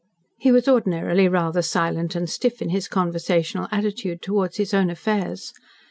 He was ordinarily rather silent and stiff in his conversational attitude towards his own affairs.